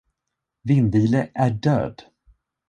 Vind-Ile är död!